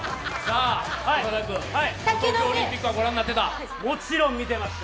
オリンピックは御覧になっていた？